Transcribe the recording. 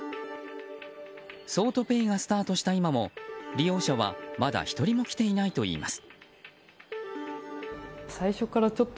桑都ペイがスタートした今も利用者はまだ１人も来ていないといいます。